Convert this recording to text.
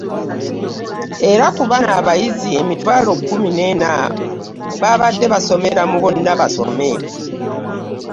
Era ku bano abayizi emitwalo kkumi n'ena babadde basomera mu bonna basome